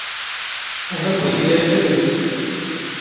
ⵓⵔ ⴰⴽⴽⵯ ⵉⴳⵉ ⴰⵢⵍⵍⵉ ⵜⵔⵉⴷ.